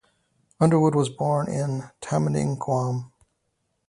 Underwood was born in Tamuning, Guam.